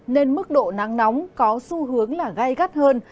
nên mức độ nắng nóng có xu hướng là gai gắt hơn